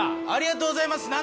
ありがとうございます。